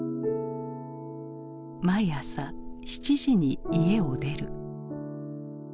毎朝７時に家を出る。